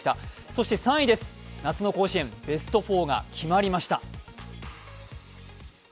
そして３位、夏の甲子園、ベスト４が決まりました。